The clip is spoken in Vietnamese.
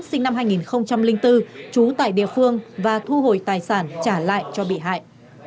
sinh năm hai nghìn bốn trú tại địa phương và thu hồi tài sản trả lại cho bị hại